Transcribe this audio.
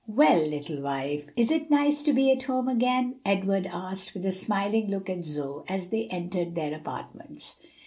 "Well, little wife, is it nice to be at home again?" Edward asked, with a smiling look at Zoe, as they entered their apartments.